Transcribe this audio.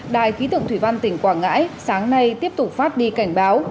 đài khí tượng thủy văn tỉnh quảng ngãi sáng nay tiếp tục phát đi cảnh báo